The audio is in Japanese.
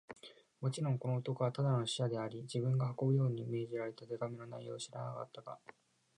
もちろん、この男はただの使者であり、自分が運ぶように命じられた手紙の内容を知らなかったが、